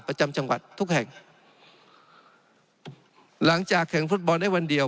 ประจำจังหวัดทุกแห่งหลังจากแข่งฟุตบอลได้วันเดียว